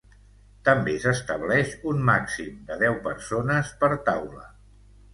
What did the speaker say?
També s’estableix un màxim de deu persones per taula.